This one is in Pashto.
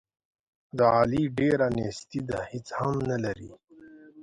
د علي ډېره نیستي ده، هېڅ هم نه لري.